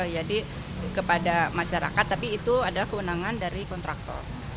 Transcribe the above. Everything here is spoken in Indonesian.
jadi kepada masyarakat tapi itu adalah kewenangan dari kontraktor